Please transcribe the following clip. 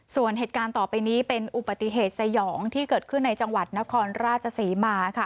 ส่วนเหตุการณ์ต่อไปนี้เป็นอุบัติเหตุสยองที่เกิดขึ้นในจังหวัดนครราชศรีมา